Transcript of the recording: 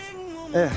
ええ。